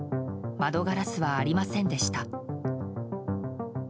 窓ガラスはありませんでした。